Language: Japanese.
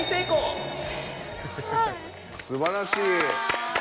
すばらしい。